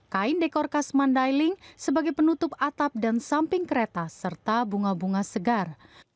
kain dekorkas mandailing sebagai penutup atap dan samping kereta serta bunga bunga segar